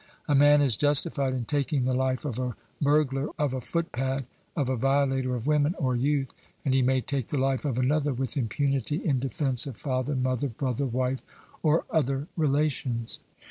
A man is justified in taking the life of a burglar, of a footpad, of a violator of women or youth; and he may take the life of another with impunity in defence of father, mother, brother, wife, or other relations.